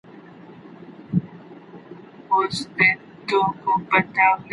ولي هڅاند سړی د هوښیار انسان په پرتله لاره اسانه کوي؟